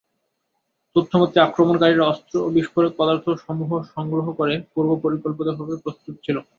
তথ্যমতে আক্রমণকারীরা অস্ত্র ও বিস্ফোরক পদার্থ সমূহ সংগ্রহ করে পূর্ব পরিকল্পিত ভাবে প্রস্তুত ছিল